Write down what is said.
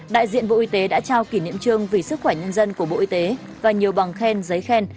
đại diện bộ y tế đã trao kỷ niệm trương vì sức khỏe nhân dân của bộ y tế và nhiều bằng khen giấy khen